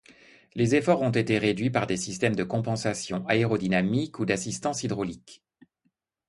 Les efforts ont été réduits par des systèmes de compensation aérodynamiques ou d'assistance hydraulique.